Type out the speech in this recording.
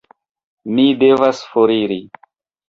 Mi devas foriri.